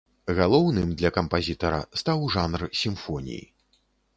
Галоўным для кампазітара стаў жанр сімфоній.